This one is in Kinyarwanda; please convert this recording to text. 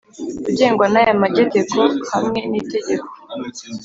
Ugengwa n aya mageteko hamwe n itegeko